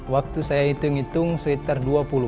waktu saya hitung hitung sekitar dua puluh